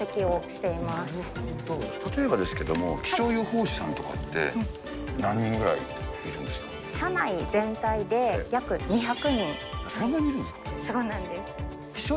例えばですけれども、気象予報士さんとかって、何人ぐらいいるん社内全体で、約２００人。